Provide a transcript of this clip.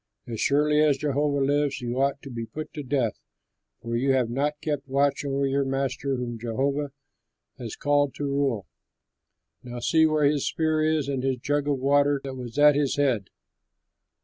As surely as Jehovah lives you ought to be put to death, for you have not kept watch over your master whom Jehovah has called to rule. Now see where his spear is and his jug of water that was at his head."